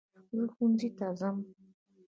زہ ښوونځي ته ځم